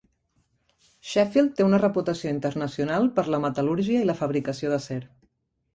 Sheffield té una reputació internacional per la metal·lúrgia i la fabricació d'acer.